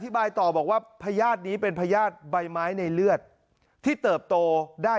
บายต่อบอกว่าพญาตินี้เป็นพญาติใบไม้ในเลือดที่เติบโตได้